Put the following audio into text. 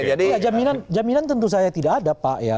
jadi jaminan tentu saya tidak ada pak ya